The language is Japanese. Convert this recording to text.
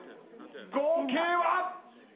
合計は。